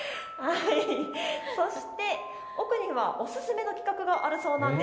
そして奥にはおすすめの企画があるそうなんです。